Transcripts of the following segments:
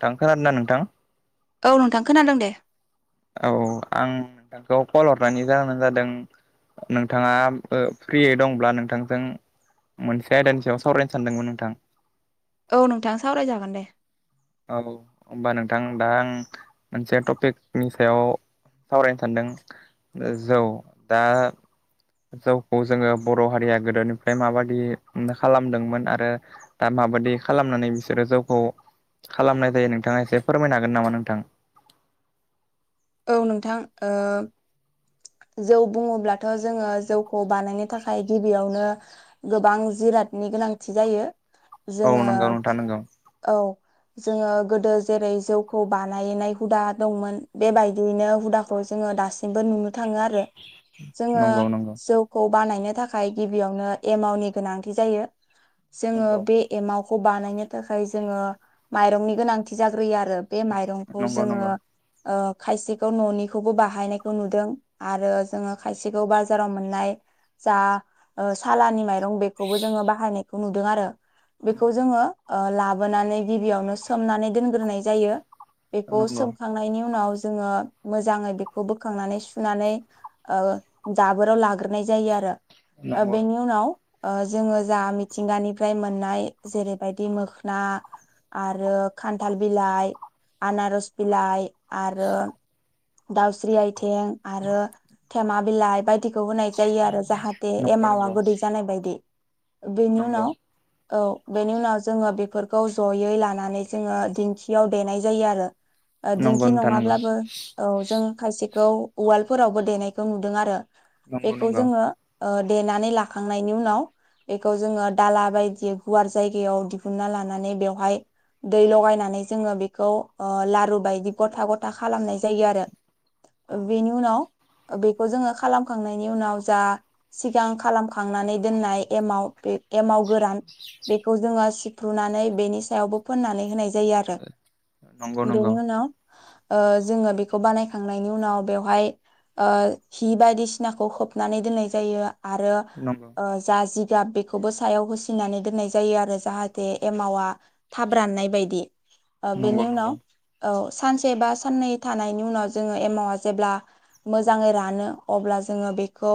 थां खोनादों ना नोंथां? औ नोंथां खोनादों दे। औ आं नोंथांखौ कल हरनायनि जाहानो जादों नोंथाङा फ्रियै दंब्ला नोंथांजों मोनसे आयदानि सायाव सावरायनो सानदोंमोन नोंथां। औ नोंथां सावरायजागोन दे। औ होनोमबा नोंथां दा आं मोनसे टपिकनि सायाव सावरायनो सानदों जौ दा जौखौ जोङो बर' हारिया गोदोनिफ्राय माबादि खालामदोंमोन आरो दा माबायदि खालामनानै बिसोरो जौखौ खालामनाय जायो नोंथाङा एसे फोरमायनो हागोन नामा नोंथां? औ नोंथां ओ जौ बुङोब्लाथ' जोङो जौखौ बानायनो थाखाय गिबियावनो गोबां जिरादनि गोनांथि जायो औ जोङो नंगौ नोंथां नंगौ औ जोङो गोदो जेरै जौखौ बानायनाय हुदा दंमोन बेबायदियैनो हुदाखौ जोङो दासिमबो नुनो थाङो आरो जोङो नंगौ नंगौ जौ खौ बानायनो थाखाय गिबियावनो एमावनि गोनांथि जायो जोङो नंगौ बे एमाव खौ खौ बानायनो थाखाय जोङो माइरंनि गोनांथि जाग्रोयो आरो बे माइरंखौ नंगौ नंगौ जोङो खायसेखौ न'निखौबो बाहायनायखौ नुदों। आरो जोङो खायसेखौ बाजाराव मोननाय जा सालानि माइरं बेखौबो जोङो बाहायनायखौ नुदों आरो। बेखौ नंगौ जोङो नंगौ लाबोनानै गिबियावनो सोमनानै दोनग्रोनाय जायो। बेखौ नंगौ सोमखांनायनि उनाव जोङो मोजाङै बेखौ बोखांनानै सुनानै जाबोराव लाग्रोनाय जायो आरो नंगौ बेनि उनाव जोङो जा मिथिंगानिफ्राय मोननाय जेरैबायदि मोखना आरो खान्थाल बिलाइ आनारस बिलाइ आरो दाउस्रि आइथिं आरो थेमा बिलाइ बायदि थिखौ होनाय जायो आरो जाहाथे नंगौ एमावा नंगौ गोदै जानाय बायदि बेनि नंगौ उनाव औ बेनि उनाव जोङो बेफोरखौ जयै लानानै जोङो दिंखियाव देनाय जायो आरो दिंखि नोंथां नंगौ नङाब्लाबो औ जों खायसेखौ उवालफोरावबो देनायखौ नुदों आरो नंगौ बेखौ नंगौ जोङो देनानै लाखांनायनि उनाव बेखौ जोङो दाला बायदि गुवार जायगायाव दिहुनना लानानै बेवहाय दै लगायनानै जोङो बेखौ ओ लारु बायदि गथा गथा खालामनाय जायो आरो नंगौ बेनि उनाव नंगौ बेखौ जोङो खालामखांनायनि उनाव जा सिगां खालामखांनानै दोननाय एमाव बे एमाव गोरान बेखौ जोङो रुनानै बेनि सायावबो फोननानै होनाय जायो आरो नंगौ नंगौ बेनि उनाव जोङो बेखौ बानायखांनायनि उनाव बेवहाय हि बायदिसिनाखौ खोबनानै दोननाय जायो आरो नंगौ जा जिगाब बेखौबो सायाव होसिनानै दोननाय जायो आरो जाहाथे एमावा थाब राननाय बायदि नंगौ बेनि उनाव औ सानसे बा साननै थानायनि उनाव जोङो एमावा जेब्ला मोजाङै रानो अब्ला जोङो बेखौ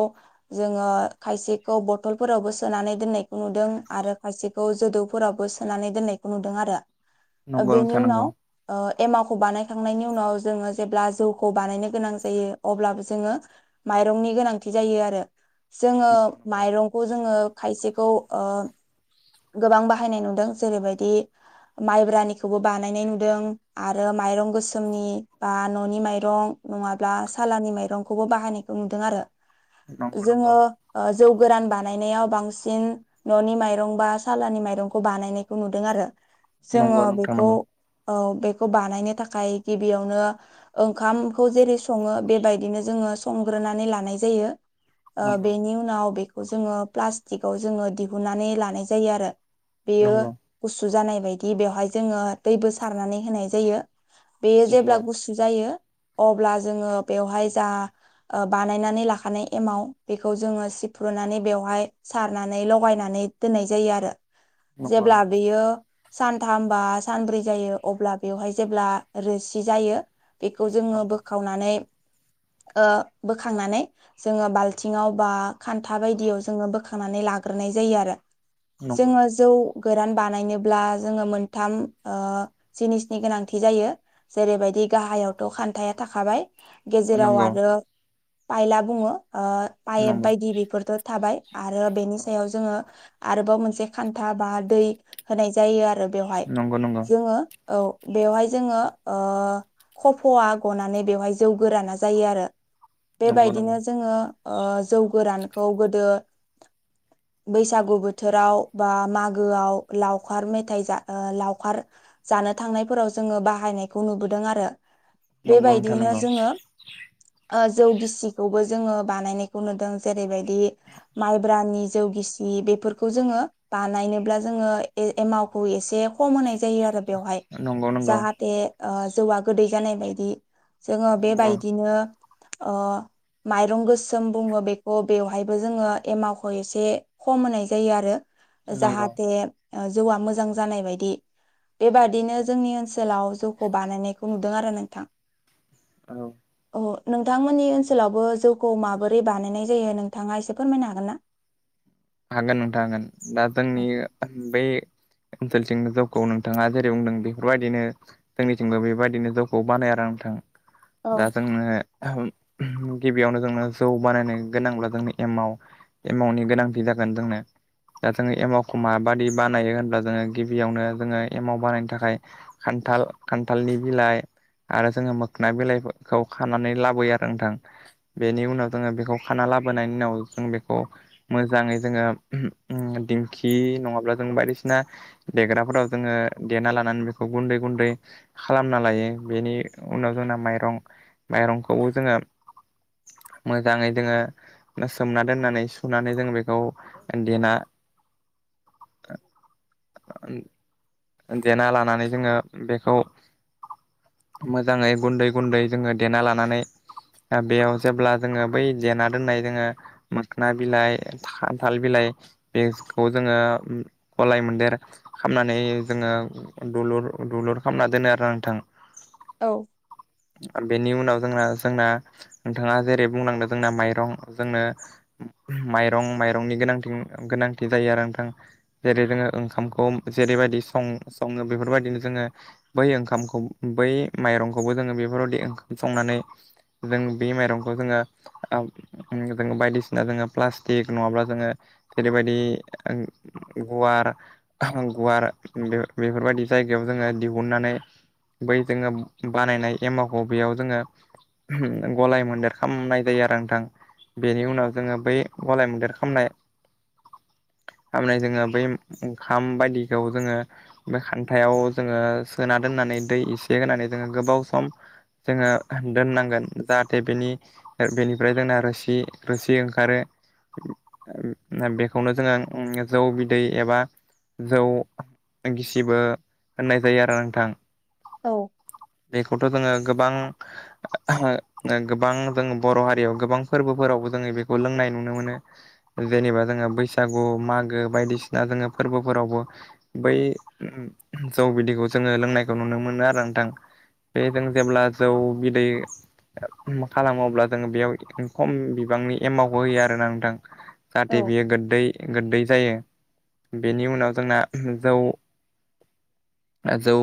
जोङो खायसेखौ बथलफोरावबो सोनानै दोननायखौ नुदों आरो खायसेखौ खौ जोदौफोरावबो सोनानै दोननायखौ नुदों आरो नंगौ बेनि नोंथां नंगौ उनाव ओ एमाखौ बानायखांनायनि उनाव जोङो जेब्ला जौखौ बानायनो गोनां जायो अब्लाबो जोङो माइरंनि गोनांथि जायो आरो जोङो नंगौ माइरंखौ जोङो खायसेखौ ओ गोबां बाहायनाय नुदों जेरैबायदि माइब्रानिखौबो बानायनाय नुदों आरो माइरं गोसोमनि बा न'नि माइरं नङाब्ला सालानि माइरंखौबो बाहायनायखौ नुदों आरो। नंगौ नंगौ जोङो जौ गोरान बानायनायाव बांसिन न'नि माइरं बा मसालानि माइरंखौ बानायनायखौ नुदों आरो जोङो नंगौ नंगौ नोंथां बेखौ औ बेखौ बानायनो थाखाय गिबियावनो ओंखामखौ जेरै सङो बेबायदिनो जोङो संग्रोनानै लानाय जायो। नंगौ नंगौ बेनि उनाव बेखौ जोङो प्लास्टिकआव जोङो दिहुननानै लानाय जायो आरो। बेयो नंगौ गुसु जानाय बायदि बेवहाय जोङो दैबो सारनानै होनाय जायो। बेयो जेब्ला नंगौ गुसु जायो अब्ला जोङो बेवहाय जा बानायनानै लाखानाय एमाव बेखौ जोङो सिफ्रुनानै बेवहाय सारनानै लगायनानै दोननाय जायो आरो नंगौ नंगौ जेब्ला बेयो सानथाम बा सानब्रै जायो अब्ला बेवहाय जेब्ला रोसि जायो। बेखौ जोङो बोखावनानै ओ बोखांनानै जोङो बाल्थिङाव बा खान्था बायदियाव जोङो बोखांनानै लाग्रोनाय जायो आरो। नंगौ नंगौ जोङो जौ गोरान बानायनोब्ला जोङो मोनथाम ओ जिनिसनि गोनांथि जायो। जेरैबायदि गाहायावथ' खान्थाया थाखाबाय। गेजेराव आरो पायला बुङो ओ पाइप बायदि बेफोरथ' थाबाय। आरो बेनि सायाव जोङो आरोबाव मोनसे खान्था बा दै होनाय जायो आरो। बेवहाय नंगौ नंगौ जोङो औ बेवहाय जोङो खफ'आ गनानै बेवहाय जौ गोराना जायो आरो नंगौ नंगौ बेबायदिनो जोङो ओ जौ गोरानखौ गोदो बैसागु बोथ बोथोराव बा मागोआव लावखार मेथाइ जा लावखार जानो थांनायफोराव जोङो बाहायनायखौ नुबोदों आरो नंगौ नोंथां बेबायदियैनो नंगौ जोङो जौ गिसिखौबो जोङो बानायनायखौ नुदों जेरैबायदि माइब्रानि जौगिसि बेफोर बेखौ जोङो बानायनोब्ल जोङो एमखौ एसे खम होनाय जायो आरो बेवहाय नंगौ नंगौ जाहाथे जौआ गोदै जानाय बायदि। जोङो बेबायदिनो ओ। माइरं गोसोम बुङो बेखौ बेवहायबो जोङो एमावखौ एसे खम होनाय ज जायो आरो नंगौ नंगौ जाहाथे जौआ मोजां जानाय बायदि। बेबादिनो नंगौ जोंनि ओनसोलाव जौखौ बानायनायखौ नुदों आरो नोंथां। औ औ नोंथांमोननि ओनसोलावबो जौखौ माबोरै बानायनाय जायो नोंथाङा एसे फोरमायनो हागोन ना। हागोन नोंथा हागोन दा औ जोंनि बे। ओनसोलथिं जौखौ नोंथाङा जेरै बुंदों बेफोरबायदिनो। जोंनिथिंबो बेबायदिनो जौखौ बानायो आरो नोंथां औ दा जोंनो। गिबियावनो जोंनो जौ बानायनो गोनांब्ला जोंनि एम एमावनि गोनांथि थि जागोन जोंनो। दा जोङो एमावखौ माबादि बानायो होनब्ला जोङो गिबियावनो जोङो एमाव बानायनो थाखाय। खान्थाल खान्थालनि बिलाइ। आरो जोङो मोखनाय बिलाइखौ खानानै लाबोयो आरो नोंथां। बेनि उनाव जोङो बेखौ खाना लाबोनायनि उनाव जों बेखौ। मोजाङै जोङो दिंखि नङाब्ला जों बायदिसिना। देग्राफोराव जोङो देना लानानै बेखौ गुन्दै गुन्दै खालामना लायो बेनि उनाव जोंना माइरं माइरंखौबो जोङो। मोजाङै जोङो सोमना दोननानै सुनानै जों बेखौ। खौ देना देना लानानै जोङो बेखौ मोजाङै गुन्दै गुन्दै जोङो देना लानानै बेयाव जेब्ला जोङो बै जेना दोननाय जोङो मोखोना बिलाइ खान्थाल बिलाइ बेखौ जोङो गलाय मोनदेर खालामामनानै जोङो दुलुर दुलुर खालामना दोनो आरो नोंथां औ बेनि उनाव जोंना जोंना। नोंथाङा जेरै बुंनांदों जोंना माइरं जोंनो। माइरं माइरंनि गोनांथि गोनांथि जायो आरो नोंथां। जेरै जोङो ओंखामखौ जेरैबायदि सं सङो बेफोरबायदिनो जोङो। बै ओंखामखौ बै माइरंखौबो जोङो बेफोरबायदि ओंखाम संनानै। जों बे माइरंखौ जोङो‌‌। जो बायदिसिना जोङो प्लास्टिक नङाब्ला जोङो। जेरैबायदि गुवार गुवार बेफोरबायदि जायगायाव जोङो दिहुननानै बै जोङो बानायनाय एमावखौ बेयाव जोङो गलाय मोनदेर खालामामनाय जायो आरो नोंथां बेनि उनाव जोङो बै गलााय मोनदेर खामनाय खामनाय जोङो बै ओंखाम बायदिखौ जोङो। बे खान्थायाव जोङो सोना दोननानै दै एसे होनानै जोङो गोबाव सम। जोङो दोननांगोन जाहाथे बेनि‌। बेनिफ्राय जोंना रोसि रोसि ओंखारो‌। बेखौनो जोङो जौ बिदै एबा जौ गिसिबो होननाय जायो आरो नोंथां। औ बेखौथ' जोङो गोबां। गोबां जों बर' हारियाव गोबां फोरबोफोरावबो जोङो बेखौ लोंनाय नुनो मोनो। जेनेबा जोङो बैसागु मागो बायदिसिना जोङो फोरबोफोरावबो बै उम जौ बिदिखौ जोङो लोंनायखौ नुनो मोनो आरो नोंथां। बे जों जेब्ला जौ बिदै मा खालामोब्ला जोंङो बेयाव खम बिबांनि एमाउबो होयो आरो ना नोंथां। जाहाथे बियो गोद्दै गोद्दै जायो बेनि उनाव जोंना जौ जौ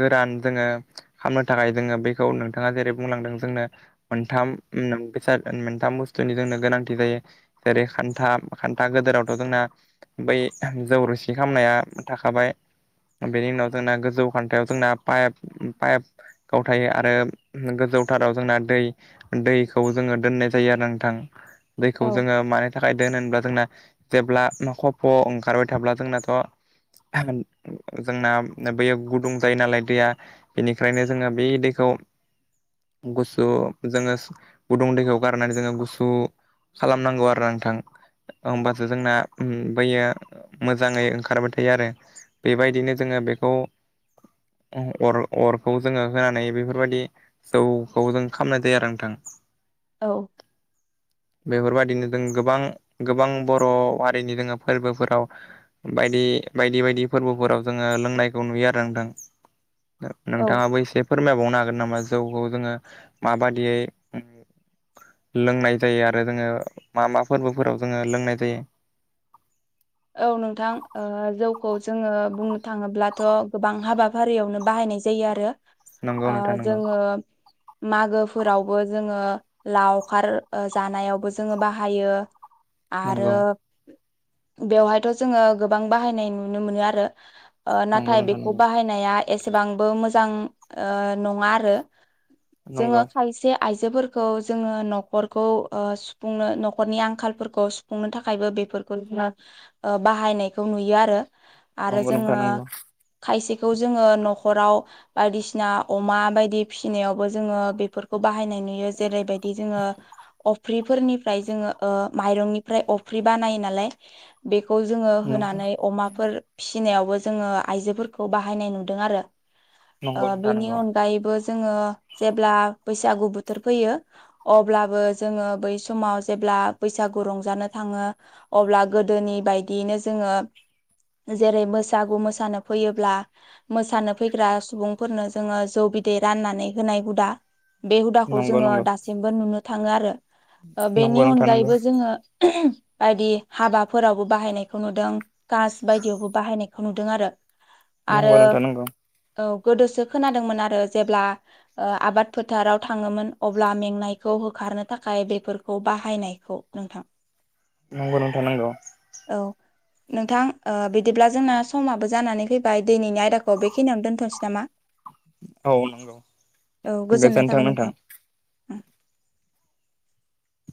गोरान जोङो खालामनो थाखाय जोङो बेखौ नोंथाङा जेरै बुंलांदों जोंनो मोनथामस उम मोनथाम बुस्थुनि जोंनो गोनांथि जायो। जेरै खान्था खान्था गोदोरावथ' जोंना बै जौरुसि खामनाया थाखाबाय बेनि उनाव जोंना गोजौ खान्थायाव जोंना पाइप पाइप गावथायो आरो गोजौथाराव जोंना दै दैखौ जोङो दोननाय जायो आरो नोंथां। औ दैखौ औ जोङो मानि थाखाय दोन होनोब्ला जोंना जेब्ला म ख फ' ओंखारबाय थाब्ला जोंना अ जोंना बैयो गुदुं जायो नालाय दैया बेनिखायनो जोङो बे दैखौ गुसु जोङो गुदुं दैखौ गारनानै जोङो गुसु खालामनांगौ आरो ना नोंथां होमबासो जोंना बैयो मोजाङै ओंखारबाय थायो आरो बेबायदिनो जोङो बेखौ उम अर अरखौ जोङो होनानै बेफोरबायदि जौखौजों खामनाय जायो आरो नोंथां। औ। बेफोरबायदिनो जों गोबां गोबां बर' हारिनि जोङो फोरबोफोराव बायदि बायदि बायदि फोरबोफोराव जोङो लोंनायखौ नुयो आरो नोंथां। औ नोंथाङाबो एसे फोरमायबावनो हागोन नामा जौखौ जोङो माबादियै लोंनाय जायो आरो जोङो मा मा फोरबोफोराव जोङो लोंनाय जायो। औ नोंथां ओ जौखौ जोङो बुंनो थाङोब्लाथ' गोबां हाबा फारियावनो बाहायनाय जायो आरो नंगौ ओ नोंथां नंगौ जोङो मागोफोरावबो जोङो लाव खार जानायावबो जोङो बाहायो आरो नंगौ बेवहायथ' जोङो गोबां बाहायनाय नुनो मोनो आरो ओ नंगौ नाथाय नोंथां बेखौ नंगौ बाहायनाय या एसेबांबो मोजां ओ नङा आरो जोङो नंगौ खायसे आइजोफोरखौ जोङो न'खरखौ ओ सुफुंनो न'खरनि आंखालफोरखौ सुफुंनो थाखायबो बेफोरखौ [unintelligible] ओ बाहायनायखौ नुयो आरो आरो नंगौ जोङो नोंथां नंगौ खायसेखौ जोङो न'खराव बायदिसिना अमा बायदि फिसिनायावबो जोङो बेफोरखौ बाहायनाय नुयो जेरैबायदि जोङो अफ्रिफोरनिफ्राय जोङो ओ माइरंनिफ्राय अफ्रि बानायो नालाय बेखौ जोङो नंगौ होनानै अमाफोर फिसिनायावबो जोङो आइजोफोरखौ बाहायनाय नुदों आरो। नंगौ ओ नोंथां बेनि नंगौ अनगायैबो जोङो जेब्ला बैसागु बोथोर फैयो अब्लाबो जोङो बै समाव जेब्ला बैसागु रंजानो थाङो अब्ला गोदोनि बायदियैनो जोङो जेरै बैसागु मोसानो फैयोब्ला मोसानो फैग्रा सुबुंफोरनो जोङो जौ बिदै राननानै होनाय हुदा बे हुदाखौ नंगौ जोङो नंगौ दासिमबो नुनो थाङो आरो ओ बेनि नंगौ नोंथां नंगौ अनगायैबो जोङो [inaudible] बायदि हाबाफोरावबो बाहायनायखौ नुदों कास बायदियावबो बाहायनायखौ नुदों आरो। आरो नंगौ नोंथां नंगौ औ गोदोसो खोनादोंमोन आरो जेब्ला ओ आबाद फोथाराव थाङोमोन अब्ला मेंनायखौ होखारनो थाखाय बेफोर खौ बाहायनायखौ नोंथां। नंगौ नोंथां नंगौ। औ नोंथां ओ बिदिब्ला जोंना समाबो जानानै फैबाय दैनिनि आयदाखौ बेखिनियावनो दोनथ'नोसै नामा। औ नंगौ औ गोजोननाय थाबाय नोंथां।